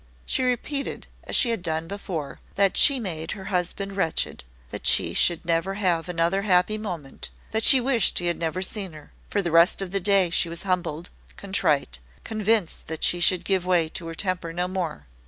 She repeated, as she had done before, that she made her husband wretched that she should never have another happy moment that she wished he had never seen her. For the rest of the day she was humbled, contrite, convinced that she should give way to her temper no more.